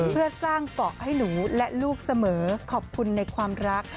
เพื่อสร้างเกาะให้หนูและลูกเสมอขอบคุณในความรัก